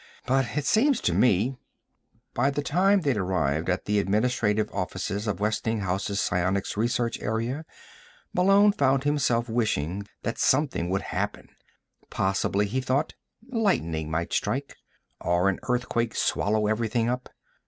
"But it seems to me " By the time they'd arrived at the administrative offices of Westinghouse's psionics research area, Malone found himself wishing that something would happen. Possibly, he thought, lightning might strike, or an earthquake swallow everything up.